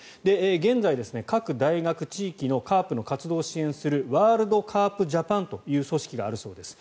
現在、各大学、地域のカープの活動を支援するワールドカープ・ジャパンという組織があるそうです。